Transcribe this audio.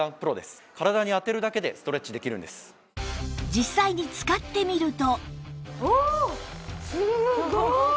実際に使ってみると